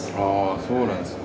そうなんですね。